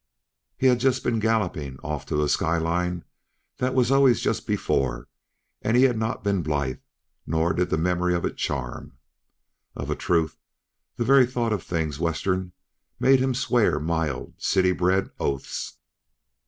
He had just been galloping off to a sky line that was always just before and he had not been blithe; nor did the memory of it charm. Of a truth, the very thought of things Western made him swear mild, city bred oaths.